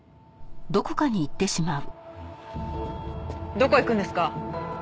どこ行くんですか？